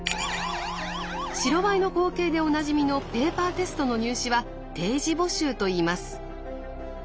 白バイの光景でおなじみのペーパーテストの入試は定時募集といいます。